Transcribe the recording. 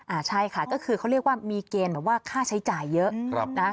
อ่าใช่ค่ะก็คือเขาเรียกว่ามีเกณฑ์แบบว่าค่าใช้จ่ายเยอะนะ